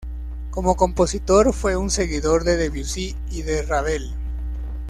Como compositor fue un seguidor de Debussy y de Ravel.